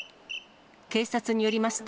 警察によりますと、